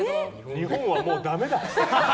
日本はもうダメだ。